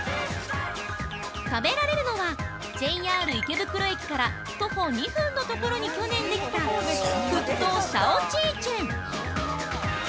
食べられるのは、ＪＲ池袋駅から徒歩２分のところに去年できた沸騰小吃城